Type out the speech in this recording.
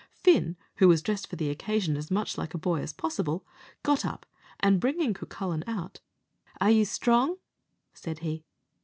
Fin, who was dressed for the occasion as much like a boy as possible, got up, and bringing Cucullin out, "Are you strong?" said he.